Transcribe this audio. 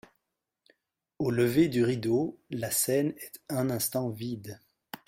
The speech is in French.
Au lever du rideau, la scène est un instant vide.